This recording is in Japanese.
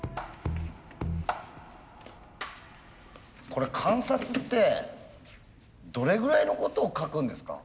これ観察ってどれぐらいのことを書くんですか？